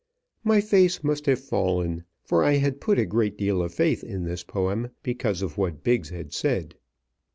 My face must have fallen; for I had put a great deal of faith in this poem, because of what Biggs had said.